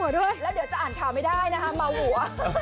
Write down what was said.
แล้วเดี๋ยวจะอ่านข่ามันไม่ได้มาหัว